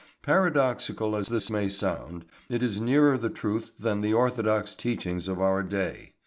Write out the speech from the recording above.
Paradoxical as this may sound it is nearer the truth than the orthodox teachings of our day.